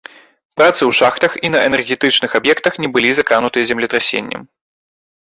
Працы ў шахтах і на энергетычных аб'ектах не былі закрануты землетрасеннем.